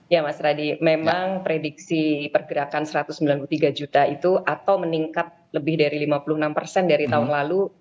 ya mas radi memang prediksi pergerakan satu ratus sembilan puluh tiga juta itu atau meningkat lebih dari lima puluh enam persen dari tahun lalu